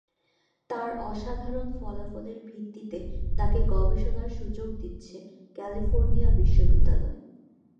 তার অসাধারণ ফলাফলের ভিত্তিতে তাকে গবেষণার সুযোগ দিচ্ছে ক্যালিফোর্নিয়া বিশ্ববিদ্যালয়।